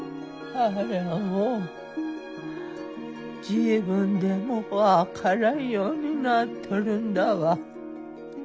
あれはもう自分でも分からんようになっとるんだわ。